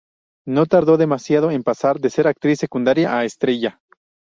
No tardó demasiado en pasar de ser actriz secundaria a estrella.